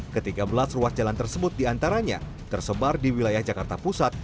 ke tiga belas ruas jalan tersebut diantaranya tersebar di wilayah jakarta pusat